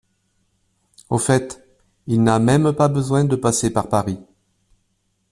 Au fait il n'a pas même besoin de passer par Paris.